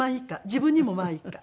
自分にもまあいいか。